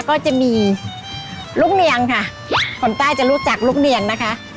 ก็จะมีลูกเนียงค่ะคนใต้จะรู้จักลูกเนียงนะคะ